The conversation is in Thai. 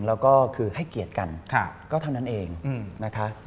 แล้วก็คือให้เกียรติกันก็เท่านั้นเองนะคะ